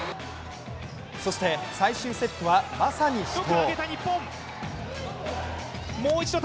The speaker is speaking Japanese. そして最終セットは、まさに死闘。